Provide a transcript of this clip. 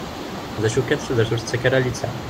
D acu kan tudert ur tettak ara liseɛ.